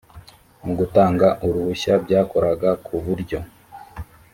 mu gutanga uruhushya byakoraga ku buryo